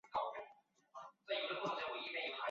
这是个张量公式。